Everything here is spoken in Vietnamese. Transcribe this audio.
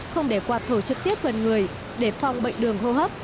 không để quạt thổ trực tiếp vào người để phòng bệnh đường hô hấp